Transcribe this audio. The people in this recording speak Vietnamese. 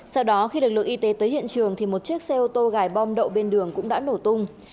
sau đó khi lực lượng y tế tới hiện trường thì một chiếc xe ô tô gài bom đậu bên đường cũng đã nổ tung